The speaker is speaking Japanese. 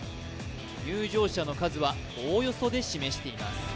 入場者の数はおおよそで示しています